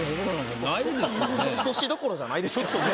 少しどころじゃないですけどね。